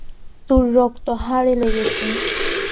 তোর রক্ত হাড়ে লেগেছে।